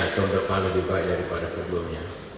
atau berapa lebih baik daripada sebelumnya